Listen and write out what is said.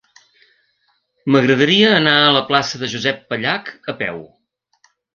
M'agradaria anar a la plaça de Josep Pallach a peu.